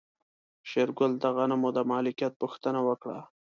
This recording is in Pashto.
شېرګل د غنمو د مالکيت پوښتنه وکړه.